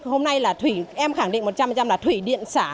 hôm nay em khẳng định một trăm linh là thủy điện xả